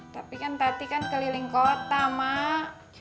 tapi kan tati kan keliling kota mak